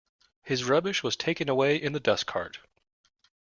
His rubbish was taken away in the dustcart